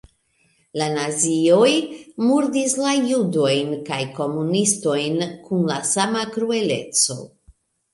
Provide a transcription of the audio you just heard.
La nazioj murdis la judojn kaj komunistojn kun la sama krueleco.